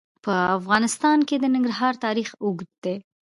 په افغانستان کې د ننګرهار تاریخ اوږد دی.